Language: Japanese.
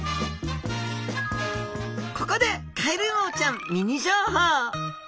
ここでカエルウオちゃんミニ情報。